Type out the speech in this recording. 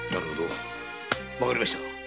わかりました。